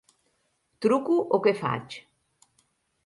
Truco o què faig?